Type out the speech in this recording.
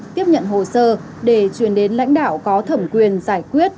tiếp nhận hồ sơ để truyền đến lãnh đạo có thẩm quyền giải quyết